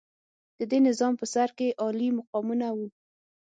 د دې نظام په سر کې عالي مقامونه وو.